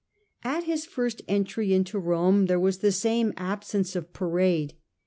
At his first entry into Rome there was the same al> sence of parade.